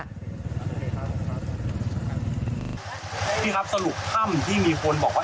พี่ครับสรุปค่ำที่มีคนบอกว่า